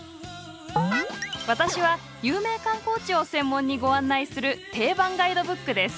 私は有名観光地を専門にご案内する定番ガイドブックです。